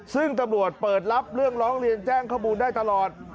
ซึ่งตำรวจเปิดรับเรื่องร้องเรียนแจ้งข้อมูลได้ตลอด